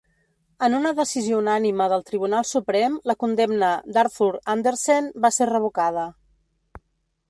En una decisió unànime del Tribunal Suprem, la condemna d'Arthur Andersen va ser revocada.